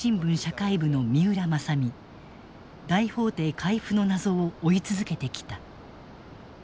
大法廷回付の謎を追い続けてきた。